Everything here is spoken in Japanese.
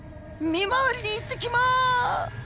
見回りに行ってきま。